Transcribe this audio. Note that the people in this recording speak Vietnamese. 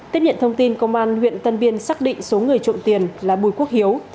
tiếp nhận thông tin công an huyện tân biên xác định số người trộm tiền là bùi quốc hiếu